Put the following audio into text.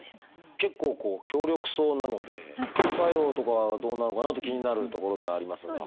結構強力そうなので副作用とかどうなのかなって気になるところではありますが。